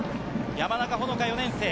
山中ほの香、４年生。